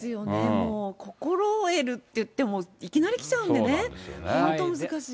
もう、心得るっていっても、いきなりきちゃうんでね、本当、難しい。